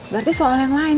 berarti soal yang lain